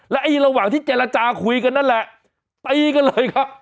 และไอ้ระหว่างที่เจรจาคุยกันนั่นแหละตีกันเลยครับ